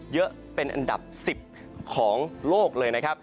เยอะเป็นอันดับ๑๐ของโลกเลยนะครับ